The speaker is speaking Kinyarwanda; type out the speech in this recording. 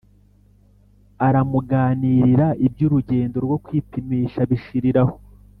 aramuganirira, iby’urugendo rwo kwipimisha bishirira aho.